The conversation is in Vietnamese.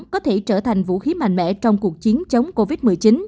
có thể trở thành vũ khí mạnh mẽ trong cuộc chiến chống covid một mươi chín